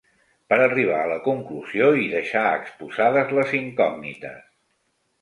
Per arribar a la conclusió i deixar exposades les incògnites.